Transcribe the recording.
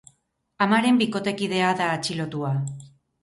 Amaren bikotekidea da atxilotua.